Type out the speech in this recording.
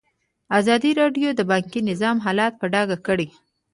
ازادي راډیو د بانکي نظام حالت په ډاګه کړی.